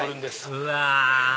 うわ！